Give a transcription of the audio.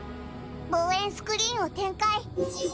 望遠スクリーンを展開。